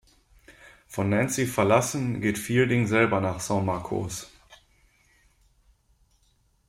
Von Nancy verlassen, geht Fielding selber nach San Marcos.